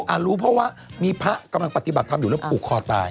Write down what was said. รู้เพราะว่ามีพระกำลังปฏิบัติธรรมอยู่แล้วผูกคอตาย